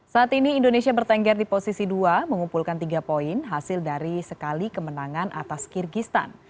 saat ini indonesia bertengger di posisi dua mengumpulkan tiga poin hasil dari sekali kemenangan atas kyrgyzstan